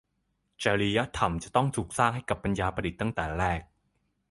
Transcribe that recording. จริยธรรมจะต้องถูกสร้างให้กับปัญญาประดิษฐ์ตั้งแต่แรก